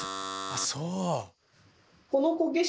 あっそう！